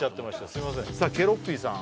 すいませんさあケロッピーさん